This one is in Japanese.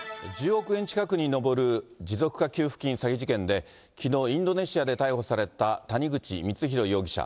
１０億円近くに上る持続化給付金詐欺事件で、きのう、インドネシアで逮捕された谷口光弘容疑者。